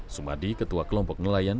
sumadi ketua kelompok nelayan